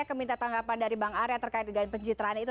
keminta tanggapan dari bang arya terkait dengan pencitraan itu